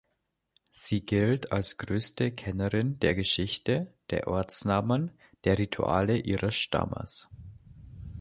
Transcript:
Sie gilt als größte Kennerin der Geschichte, der Ortsnamen, der Rituale ihres Stammes.